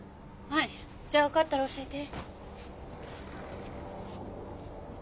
はい。じゃあ分かったら教えて。